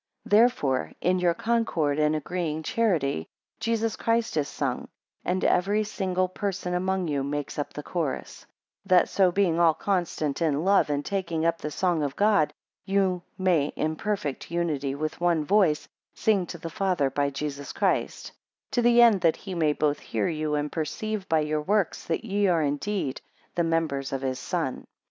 15 Therefore in your concord and agreeing charity, Jesus Christ is sung; and every single person among you makes up the chorus: 16 That so being all consonant in love, and taking up the song of God, ye may in a perfect unity with one voice, sing to the Father by Jesus Christ; to the end that he may both hear you, and perceive by your works, that ye are indeed the members of his son.